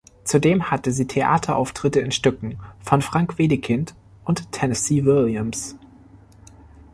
Zudem hatte sie Theaterauftritte in Stücken von Frank Wedekind und Tennessee Williams.